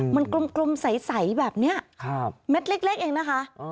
มันกลมใสแบบนี้เม็ดเล็กเองนะคะ